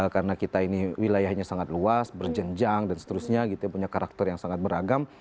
karena kita ini wilayahnya sangat luas berjenjang dan seterusnya gitu punya karakter yang sangat beragam